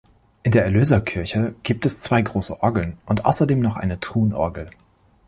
In der Erlöserkirche gibt es zwei große Orgeln und außerdem noch eine Truhenorgel.